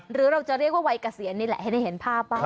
หรือเราจะเรียกว่าวัยเกษียณนี่แหละให้ได้เห็นภาพบ้าง